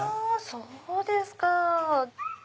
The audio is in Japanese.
そうですか。